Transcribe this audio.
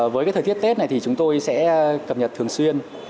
với thời tiết tết này thì chúng tôi sẽ cập nhật thường xuyên